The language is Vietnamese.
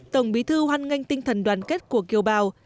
tổng bí thư hoan nghênh tinh thần đoàn kết của kiều bào